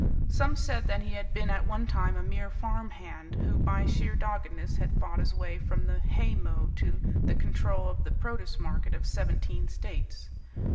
Some said that he had been at one time a mere farm hand who, by sheer doggedness, had fought his way from the hay mow to the control of the produce market of seventeen states.